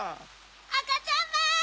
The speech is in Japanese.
・あかちゃんまん！